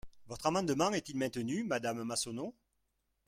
Votre amendement est-il maintenu, madame Massonneau?